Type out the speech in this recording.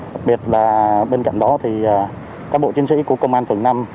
đặc biệt là bên cạnh đó thì cán bộ chiến sĩ của công an phường năm